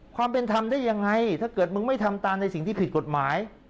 ความเป็นธรรมได้ยังไงถ้าเกิดมึงไม่ทำตามในสิ่งที่ผิดกฎหมาย